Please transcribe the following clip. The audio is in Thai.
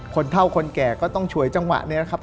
คนเท่าคนแก่ก็ต้องฉวยจังหวะนี้นะครับ